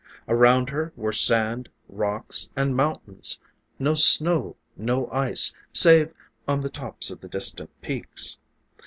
Around her were sand, rocks and mountains; no snow, no ice, save on the tops of the distant peaks.